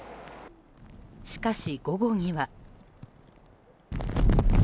しかし午後には。